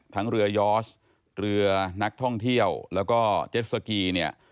ทั้งเรือยอร์สเรือนักท่องเที่ยวแล้วก็เจ็ดสกีเนี่ย